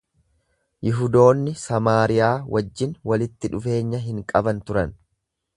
Yihudoonni Samaariyaa wajjin walitti dhufeenya hin qaban turan.